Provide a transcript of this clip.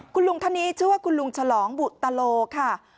คุณลุงท่านนี้ชื่อว่าคุณลุงฉลองบุตโลค่ะ